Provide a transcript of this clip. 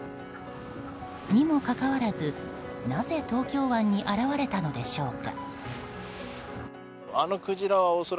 にもかかわらずなぜ東京湾に現れたのでしょうか。